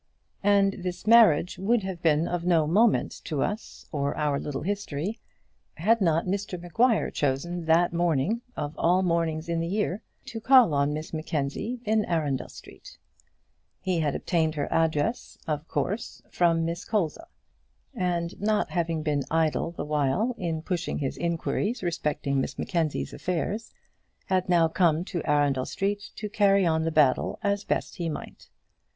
And this marriage would have been of no moment to us or to our little history, had not Mr Maguire chosen that morning, of all mornings in the year, to call on Miss Mackenzie in Arundel Street. He had obtained her address of course, from Miss Colza; and, not having been idle the while in pushing his inquiries respecting Miss Mackenzie's affairs, had now come to Arundel Street to carry on the battle as best he might.